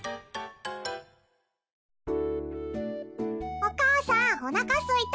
おかあさんおなかすいた。